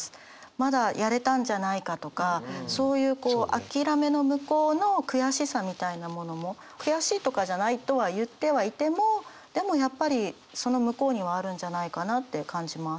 まだやれたんじゃないかとかそういうこう諦めの向こうの悔しさみたいなものも悔しいとかじゃないとは言ってはいてもでもやっぱりその向こうにはあるんじゃないかなって感じます。